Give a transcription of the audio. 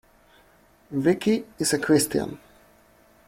Vicky is a Christian.